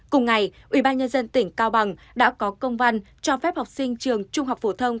cùng ngày ubnd tỉnh cao bằng đã có công văn cho phép học sinh trường trung học phổ thông